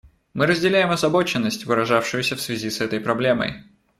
Мы разделяем озабоченность, выражавшуюся в связи с этой проблемой.